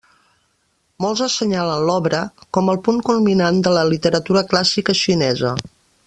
Molts assenyalen l'obra com el punt culminant de la literatura clàssica xinesa.